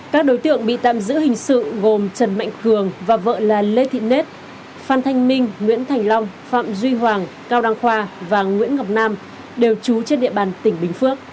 các đối tượng bị tạm giữ hình sự gồm trần mạnh cường và vợ là lê thị nết phan thanh minh nguyễn thành long phạm duy hoàng cao đăng khoa và nguyễn ngọc nam đều trú trên địa bàn tỉnh bình phước